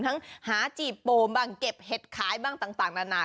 หาจีบโปมบ้างเก็บเห็ดขายบ้างต่างนานา